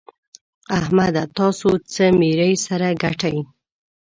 احمده! تاسو څه ميرۍ سره ګټئ؟!